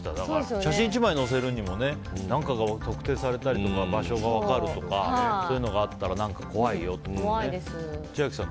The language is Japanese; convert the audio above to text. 写真１枚載せるにも何か特定されたりとか場所が分かるとかがあったら怖いよってね。